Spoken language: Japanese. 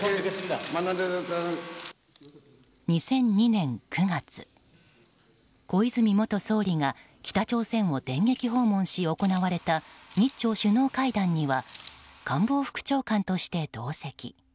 ２００２年９月、小泉元総理が北朝鮮を電撃訪問し行われた日朝首脳会談には官房副長官として同席。